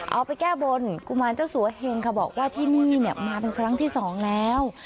เอาไปแก้บนกุมารเจ้าสัวเฮงค่ะบอกว่าที่นี่เนี่ยมาเป็นครั้งที่สองแล้ว